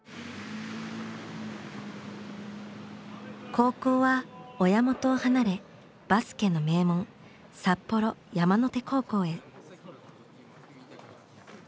高校は親元を離れバスケの名門札幌山の手高校へ。